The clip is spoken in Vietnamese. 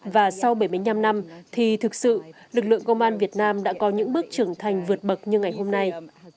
và sau bảy mươi năm năm thì thực sự lực lượng công an việt nam đã có những bước trưởng thành vượt bậc như ngày hôm nay